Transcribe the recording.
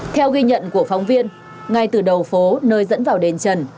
theo ghi nhận của phóng viên ngay từ đầu phố nơi dẫn vào đền trần